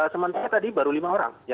sementara tadi baru lima orang